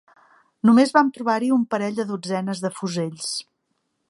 Només vam trobar-hi un parell de dotzenes de fusells